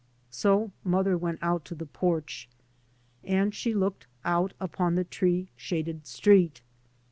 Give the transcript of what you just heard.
So mother went out to the porch, and she looked out upon the tree shaded street.